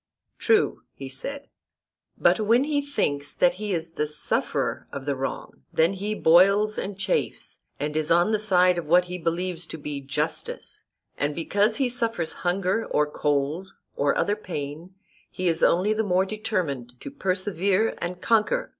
True, he said. But when he thinks that he is the sufferer of the wrong, then he boils and chafes, and is on the side of what he believes to be justice; and because he suffers hunger or cold or other pain he is only the more determined to persevere and conquer.